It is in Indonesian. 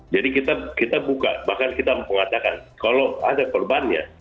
jadi kita buka bahkan kita mengatakan kalau ada korbannya